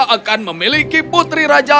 akan memiliki putri raja